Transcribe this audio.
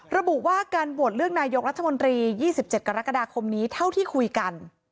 ระบุว่าการโหวตเลือกนายกรัฐมนตรี๒๗กรกฎาคมนี้เท่าที่คุยกัน